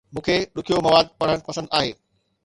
مون کي ڏکيو مواد پڙهڻ پسند آهي